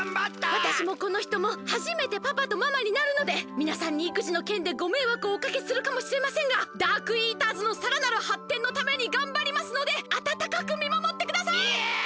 わたしもこのひともはじめてパパとママになるのでみなさんにいくじのけんでごめいわくをおかけするかもしれませんがダークイーターズのさらなるはってんのためにがんばりますのであたたかくみまもってください！